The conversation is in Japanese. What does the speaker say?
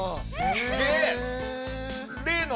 すげえ！